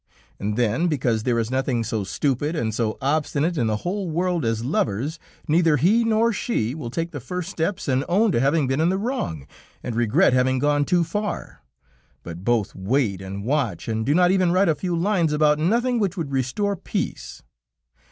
And then, because there is nothing so stupid and so obstinate in the whole world as lovers, neither he nor she will take the first steps, and own to having been in the wrong, and regret having gone too far; but both wait and watch and do not even write a few lines about nothing, which would restore peace.